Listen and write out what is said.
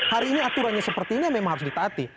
hari ini aturannya seperti ini memang harus ditaati